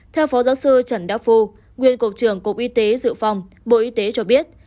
theo phó giáo sư trần đắc phu nguyên cục trưởng cục y tế dự phòng bộ y tế cho biết